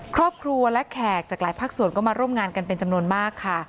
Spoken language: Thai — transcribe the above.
ครอบครัวและแขกจากหลายภาคส่วนก็มาร่วมงานกันเป็นจำนวนมากค่ะ